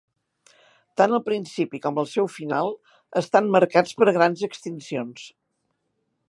Tant el principi com el seu final estan marcats per grans extincions.